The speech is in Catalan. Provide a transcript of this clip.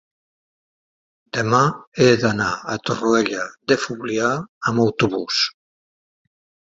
demà he d'anar a Torroella de Fluvià amb autobús.